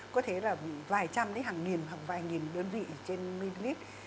có thể là vài trăm đến hàng nghìn hoặc vài nghìn đơn vị trên mililit